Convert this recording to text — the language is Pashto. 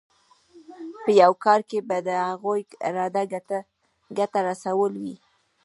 په یو کار کې به د هغوی اراده ګټه رسول وي.